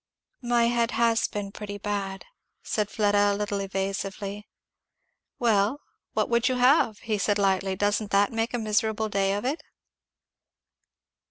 "My head has been pretty bad, " said Fleda a little evasively. "Well, what would you have?" said he lightly; "doesn't that make a miserable day of it?"